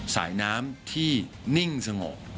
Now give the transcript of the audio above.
สายน้ำที่นิ่งสงบ